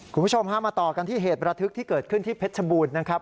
คุณผู้ชมฮะมาต่อกันที่เหตุประทึกที่เกิดขึ้นที่เพชรบูรณ์นะครับ